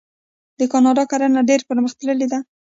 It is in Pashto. د کاناډا کرنه ډیره پرمختللې ده.